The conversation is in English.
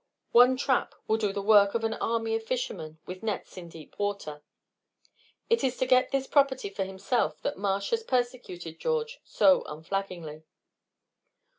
One trap will do the work of an army of fishermen with nets in deep water. It is to get this property for himself that Marsh has persecuted George so unflaggingly."